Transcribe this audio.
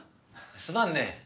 すまんね。